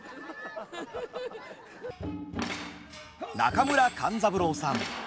中村勘三郎さん。